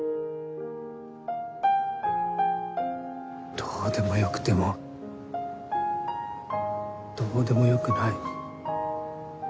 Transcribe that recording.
どうでもよくてもどうでもよくない。